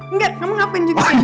enggak kamu ngapain juga aja